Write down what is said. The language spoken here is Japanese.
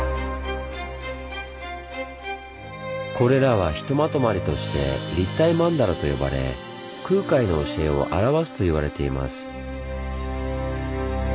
これらはひとまとまりとして「立体曼荼羅」と呼ばれ空海の教えを表すといわれています。